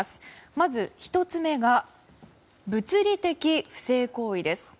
まず、１つ目が物理的不正行為です。